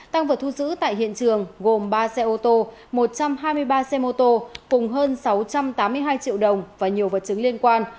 tăng vật thu giữ tại hiện trường gồm ba xe ô tô một trăm hai mươi ba xe mô tô cùng hơn sáu trăm tám mươi hai triệu đồng và nhiều vật chứng liên quan